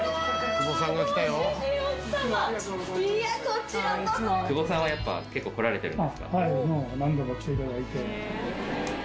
久保さんはやっぱ結構来られてるんですか？